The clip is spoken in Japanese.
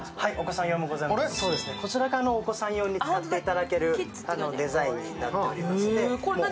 こちらがお子さん用に使っていただけるデザインになっています。